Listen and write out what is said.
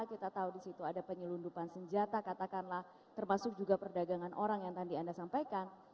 kita tahu di situ ada penyelundupan senjata katakanlah termasuk juga perdagangan orang yang tadi anda sampaikan